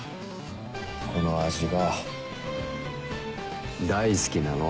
この味が大好きなの。